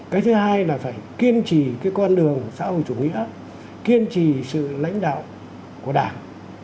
cái thứ hai là phải kiên trì cái con đường xã hội chủ nghĩa kiên trì sự lãnh đạo của đảng